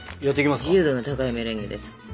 自由度の高いメレンゲです。